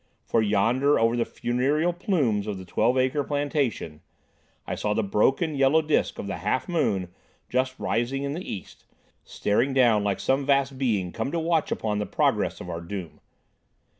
For, yonder, over the funereal plumes of the Twelve Acre Plantation, I saw the broken, yellow disc of the half moon just rising in the east, staring down like some vast Being come to watch upon the progress of our doom.